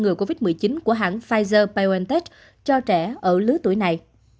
ngừa covid một mươi chín của hãng pfizer biontech cho trẻ ở lứa tuổi này